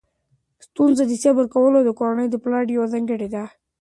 ستونزو ته صبر کول د کورنۍ د پلار یوه ځانګړتیا ده.